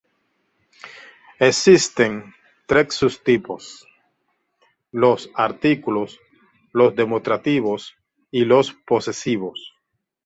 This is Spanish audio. Existen tres subtipos: los artículos, los demostrativos y los posesivos.